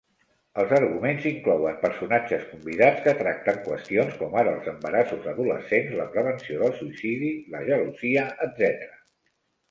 Els arguments inclouen personatges convidats que tracten qüestions com ara els embarassos adolescents, la prevenció del suïcidi, la gelosia, etc.